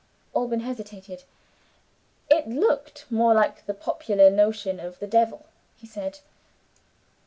Alban hesitated. "It looked more like the popular notion of the devil," he said.